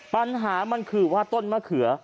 ปัญหามันคือว่าต้นมะเขือ